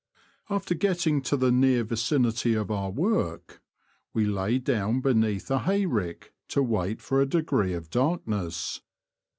After getting to the near vicinity of our work, we lay down beneath a hay rick to wait for a degree of darkness.